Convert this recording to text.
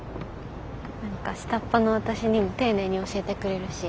何か下っ端の私にも丁寧に教えてくれるし。